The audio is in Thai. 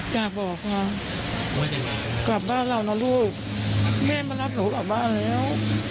อยากบอกค่ะว่ายังไงกลับบ้านเรานะลูกแม่มารับหนูกลับบ้านแล้ว